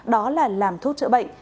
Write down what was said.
đó là làm thuốc chữa bệnh